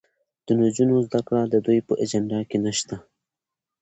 د نجونو زدهکړه د دوی په اجنډا کې نشته.